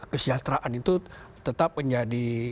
kesejahteraan itu tetap menjadi